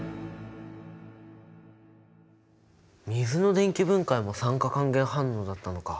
水の電気分解も酸化還元反応だったのか。